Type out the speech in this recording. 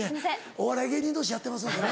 お笑い芸人同士やってますんでね。